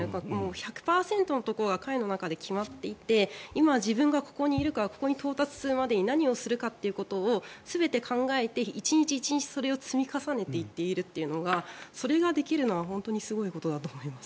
１００％のところは彼の中で決まっていて今、自分がここにいるからここに到達するまでに何をするかっていうことを全て考えて１日１日それを積み重ねていっているというのがそれができるのは本当にすごいことだと思います。